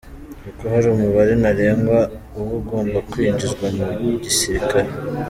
Kuko hari umubare ntarengwa uba ugomba kwinjizwa mu gisilikare.